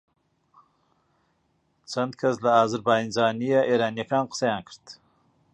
چەند کەس لە ئازەربایجانییە ئێرانییەکان قسەیان کرد